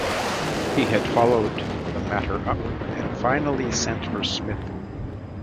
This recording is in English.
He had followed the matter up and finally sent for Smith.